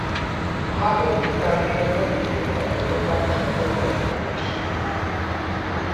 A háború után német hadifoglyokkal folytatták a stadion felépítését.